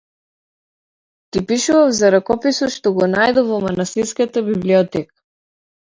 Ти пишував за ракописот што го најдов во манастирската библиотека.